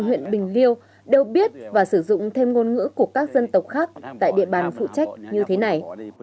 huyện bình liêu đều biết và sử dụng thêm ngôn ngữ của các dân tộc khác tại địa bàn phụ trách như thế này